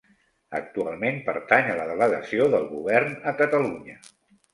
Actualment pertany a la Delegació del Govern a Catalunya.